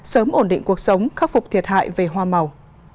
sớm ổn định cuộc sống khắc phục thiệt hại về hoa màu